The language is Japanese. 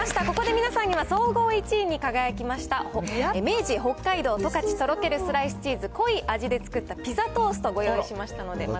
ここで皆さんには、総合１位に輝きました、明治、北海道十勝とろけるスライスチーズ濃い味で作ったピザトーストをご用意しましたので。